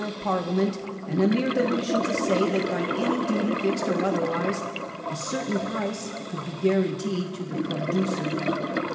of Parliament, and a mere delusion, to say that by any duty, fixed or otherwise, a certain price could be guaranteed to the producer.